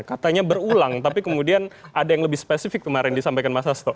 katanya berulang tapi kemudian ada yang lebih spesifik kemarin disampaikan mas hasto